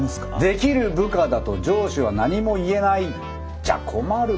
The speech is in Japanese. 「デキる部下だと上司は何も言えない」じゃ困るんですよ。